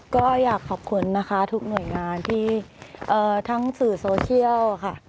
ก็อยากขอบคุณนะคะทุกหน่วยงานที่ทั้งสื่อโซเชียลค่ะ